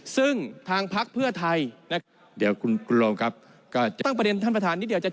ซึ่งทางภักษณ์เพื่อไทย